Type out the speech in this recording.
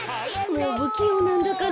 もうぶきようなんだから。